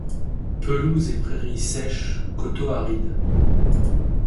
Pelouses et prairies sèches, coteaux arides.